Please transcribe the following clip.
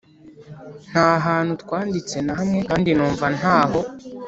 nta hantu twanditse na hamwe, kandi numva ntaho